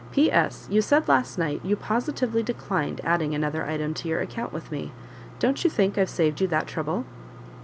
"P.S. You said last night you positively declined adding another item to your account with me; don't you think I've saved you that trouble?"